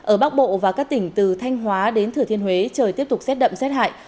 ở bắc bộ và các tỉnh từ thanh hóa đến thừa thiên huế trời tiếp tục rét đậm rét hại